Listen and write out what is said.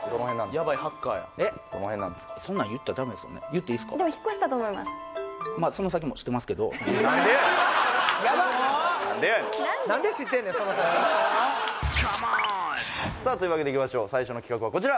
ヤバッというわけでいきましょう最初の企画はこちら